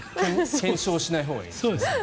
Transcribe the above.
検証しないほうがいいですね。